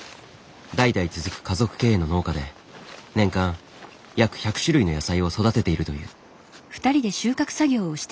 代々続く家族経営の農家で年間約１００種類の野菜を育てているという。